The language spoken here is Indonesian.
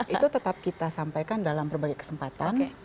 itu tetap kita sampaikan dalam berbagai kesempatan